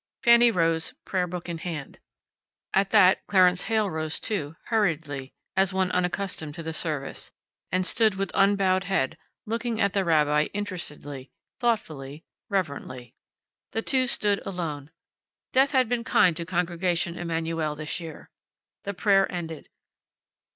Fanny rose, prayer book in hand. At that Clarence Heyl rose too, hurriedly, as one unaccustomed to the service, and stood with unbowed head, looking at the rabbi interestedly, thoughtfully, reverently. The two stood alone. Death had been kind to Congregation Emanu el this year. The prayer ended.